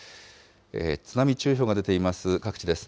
津波注意報が出ています各地です。